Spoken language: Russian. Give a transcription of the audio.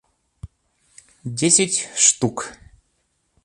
десять штук